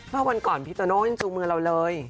เมื่อวันก่อนพี่โตโน้ยจูงมือเราเลย